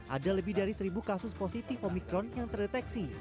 ada lebih dari seribu kasus positif omikron yang terdeteksi